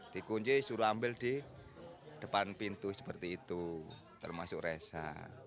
di kunci disuruh ambil di depan pintu seperti itu termasuk reza